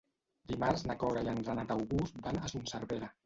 Dimarts na Cora i en Renat August van a Son Servera.